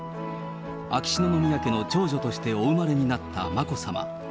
秋篠宮家の長女としてお生まれになった眞子さま。